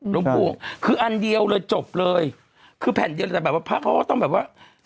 หลวงปู่คืออันเดียวเลยจบเลยคือแผ่นเดียวแต่แบบว่าพระเขาก็ต้องแบบว่า